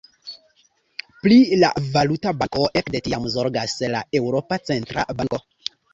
Pri la valuta banko ekde tiam zorgas la Eŭropa Centra Banko.